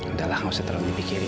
udah lah gak usah terlalu dipikirin